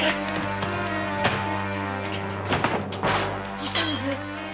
どうしたんです？